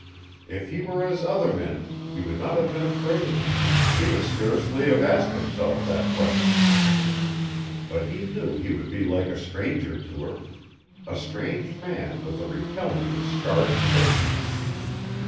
If he were as other men he would not have been afraid; he would scarcely have asked himself that question. But he knew he would be like a stranger to her, a strange man with a repellingly scarred face.